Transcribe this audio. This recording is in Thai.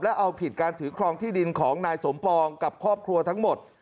เอาผิดการถือครองที่ดินของนายสมปองกับครอบครัวทั้งหมด